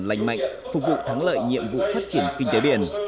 lành mạnh phục vụ thắng lợi nhiệm vụ phát triển kinh tế biển